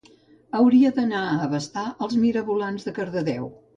Hauria d'anar a abastar els mirabolans de Cardedeu